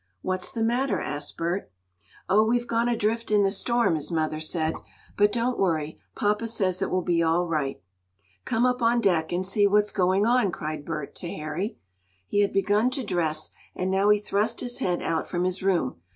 "What's the matter?" asked Bert. "Oh, we've gone adrift in the storm," his mother said. "But don't worry. Papa says it will be all right." "Come up on deck and see what's going on!" cried Bert to Harry. He had begun to dress, and now he thrust his head out from his room.